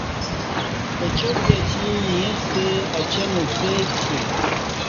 اچاک دی اسی ایݩستہ اچیں نوکسئی سی